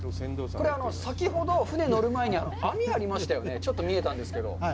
これ、先ほど船に乗る前に網がありましたよね、ちょっと見えたんですけど。